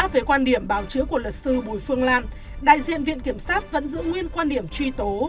về quan điểm báo chữa của luật sư bùi phương lạn đại diện viện kiểm sát vẫn giữ nguyên quan điểm truy tố